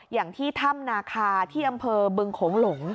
อย่างที่ถ้ำนาคาที่อำเภอบึงโขงหลง